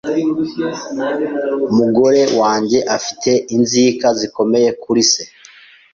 Umugore wanjye afite inzika zikomeye kuri se.